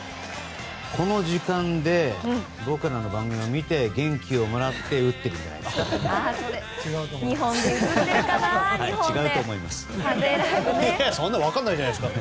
この時間で僕らの番組を見て元気でもらって打っているんじゃないですか。